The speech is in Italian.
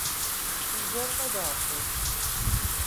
Il giorno dopo